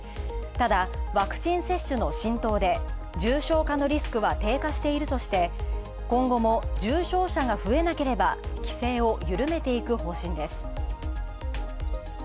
ただワクチン接種の浸透で重症化のリスクは低下しているとして今後も重症者が増えなければ規制を緩めていく方針です。